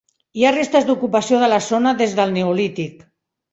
Hi ha restes d'ocupació de la zona des del Neolític.